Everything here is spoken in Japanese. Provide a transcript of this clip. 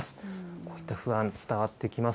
こういった不安、伝わってきます。